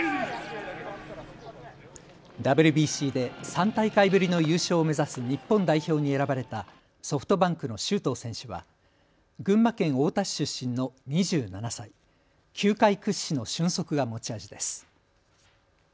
ＷＢＣで３大会ぶりの優勝を目指す日本代表に選ばれたソフトバンクの周東選手は群馬県太田市出身の２７歳で球界屈指の俊足が持ち味です。